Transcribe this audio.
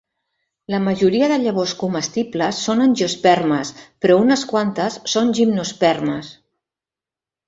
La majoria de llavors comestibles són angiospermes, però unes quantes són gimnospermes.